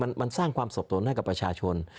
มันสร้างความสบสนให้กับประชาชน